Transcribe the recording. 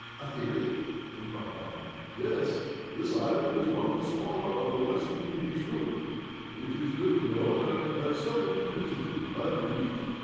"A theory?" inquired Tom. "Yes. This island is one of the smaller of the West Indies group. It is little known, and has seldom been visited, I believe.